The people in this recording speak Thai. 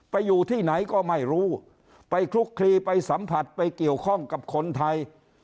อยู่ที่ไหนก็ไม่รู้ไปคลุกคลีไปสัมผัสไปเกี่ยวข้องกับคนไทย